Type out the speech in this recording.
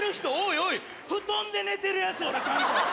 布団で寝てるやつおるちゃんと。